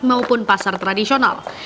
maupun pasar tradisional